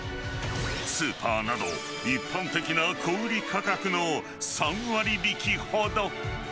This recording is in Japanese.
スーパーなど、一般的な小売り価格の３割引きほど。